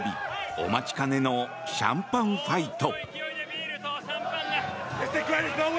お待ちかねのシャンパンファイト！